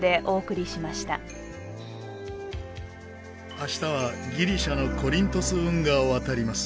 明日はギリシャのコリントス運河を渡ります。